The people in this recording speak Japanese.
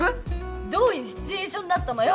どういうシチュエーションだったのよ！